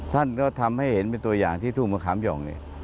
ท่านก็ทำให้เห็นเป็นตัวอย่างที่ทุ่งมะขามหย่องเนี่ย